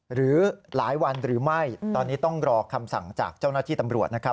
หรือหลายวันหรือไม่ตอนนี้ต้องรอคำสั่งจากเจ้าหน้าที่ตำรวจนะครับ